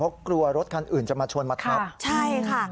เพราะกลัวรถคันอื่นจะมาชนมาทับใช่ค่ะ